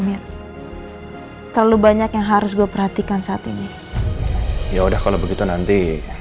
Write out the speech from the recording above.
mir terlalu banyak yang harus gue perhatikan saat ini ya udah kalau begitu nanti